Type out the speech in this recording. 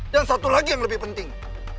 dan satu lagi yang lebih penting